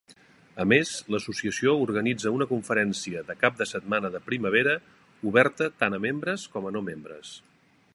A més, l'associació organitza una conferència de cap de setmana de primavera oberta tant a membres com a no membres.